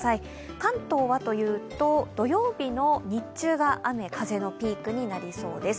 関東はというと、土曜日の日中が雨、風のピークになりそうです。